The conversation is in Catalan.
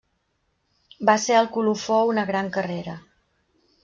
Va ser el colofó a una gran carrera.